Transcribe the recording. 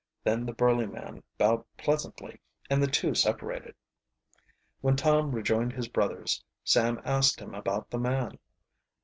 Then the burly man bowed pleasantly and the two separated. When Tom rejoined his brothers Sam asked him about the man.